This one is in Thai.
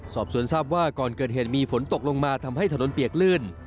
สอบสวนทราบว่าก่อนเกิดเหตุมีฝนตกลงมาทำให้ถนนเปียกลื่น